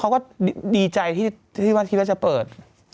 เขาก็ดีใจที่ว่าที่แรกจะเปิด